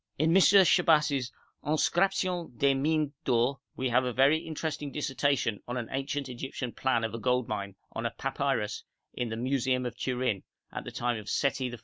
In M. Chabas' 'Inscriptions des Mines d'Or' we have a very interesting dissertation on an ancient Egyptian plan of a gold mine on a papyrus in the museum of Turin, of the time of Seti I.